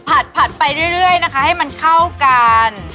ผัดไปเรื่อยนะคะให้มันเข้ากัน